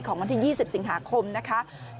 ของวันที่๒๐สิงหาคมนะครับ